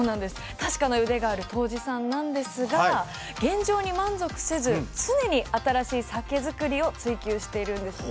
確かな腕がある杜氏さんなんですが現状に満足せず常に新しい酒造りを追求しているんですね。